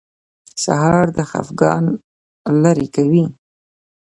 سهار د خفګان لرې کوي.